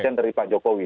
yang dari pak jokowi